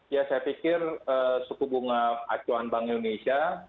ya saya pikir suku bunga acuan bank indonesia